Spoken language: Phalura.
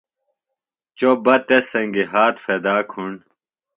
چوۡ بہ تس سنگیۡ ہات پھدا کُھنڈ